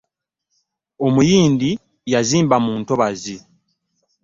Omuyindi yazimba mu ntobazzi.